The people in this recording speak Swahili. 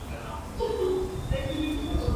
basi huenda akaadhirika pakubwa kisiasa